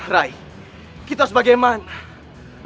rai kita harus bagaimana